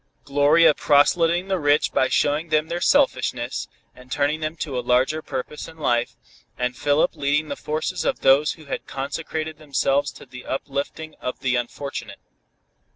Gloria proselyting the rich by showing them their selfishness, and turning them to a larger purpose in life, and Philip leading the forces of those who had consecrated themselves to the uplifting of the unfortunate.